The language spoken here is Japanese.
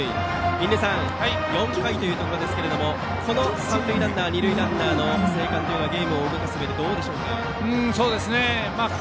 印出さん４回というところですが三塁ランナー二塁ランナーの生還はゲームを動かすうえでどうですか。